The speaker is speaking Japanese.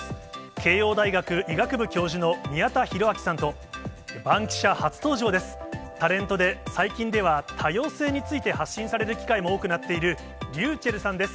慶応大学医学部教授の宮田裕章さんとバンキシャ初登場です、タレントで、最近では多様性について発信される機会も多くなっている、リュウチェルさんです。